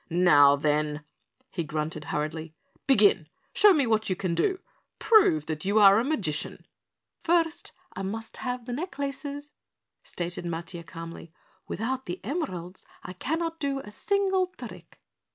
"Now, then," he grunted hurriedly. "Begin. Show me what you can do. Prove that you are a magician." "First I must have the necklaces," stated Matiah calmly. "Without the emeralds I cannot do a single trick."